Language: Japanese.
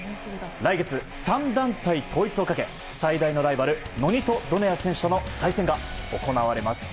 来月、３団体統一をかけ最大のライバルノニト・ドネア選手との再戦が行われます。